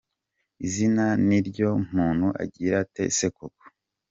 izina niryo muntu Agirate se koko?